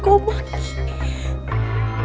bukan kondisi kondisi kita